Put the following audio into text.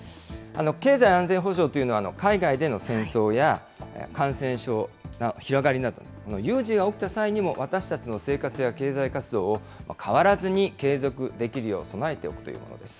経済安全保障というのは、海外での戦争や、感染症の広がりなど、有事が起きた際にも、私たちの生活や経済活動を変わらずに継続できるよう備えておくというものです。